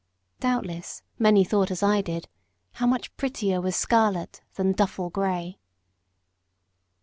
Doubtless, many thought as I did, how much prettier was scarlet than duffle grey.